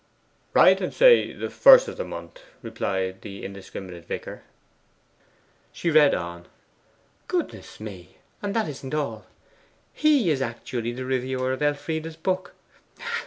'Write, and say the first of the month,' replied the indiscriminate vicar. She read on, 'Goodness me and that isn't all. He is actually the reviewer of Elfride's book.